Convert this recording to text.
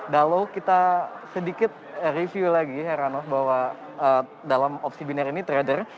lalu kita sedikit review lagi heranov bahwa dalam opsi binar ini trader